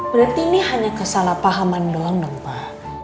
berarti ini hanya kesalahpahaman doang dong pak